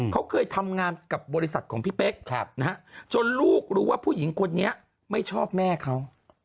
เขาเคยทำงานกับบริษัทของพี่เป๊กจนลูกรู้ว่าผู้หญิงคนนี้ไม่ชอบแม่เขา